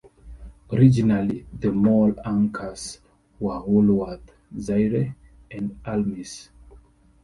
Originally the mall anchors were Woolworth, Zayre and Almy's.